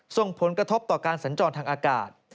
ส่งผลกระทบต่อการสัญจรทางอากาศ